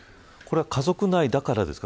家族内だからですか。